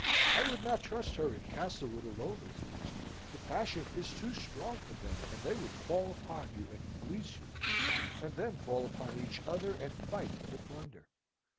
I would not trust her at Castlewood alone with you: the passion is too strong for them, and they would fall upon you, and fleece you; and then fall upon each other, and fight for the plunder.